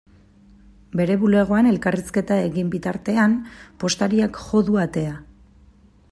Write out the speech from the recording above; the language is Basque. Bere bulegoan elkarrizketa egin bitartean, postariak jo du atea.